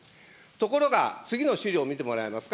ところが、次の資料を見てもらえますか。